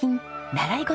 習い事！